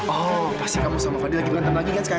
oh pasti kamu sama fadli lagi berantem lagi kan sekarang